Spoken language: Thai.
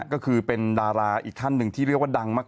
ก็คือเป็นดาราอีกท่านหนึ่งที่เรียกว่าดังมาก